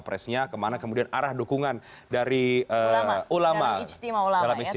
terima kasih pak yusuf